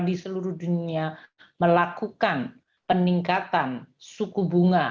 di seluruh dunia melakukan peningkatan suku bunga